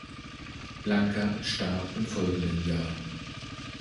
Blanca starb im folgenden Jahr.